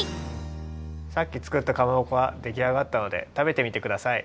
さっき作ったかまぼこができあがったのでたべてみてください。